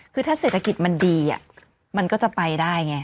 คือถ้าเศรษฐกิจมันดีมันก็จะไปได้ไง